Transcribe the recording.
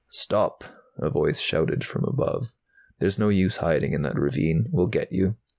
"Stop!" a voice shouted from above. "There's no use hiding in that ravine. We'll get you!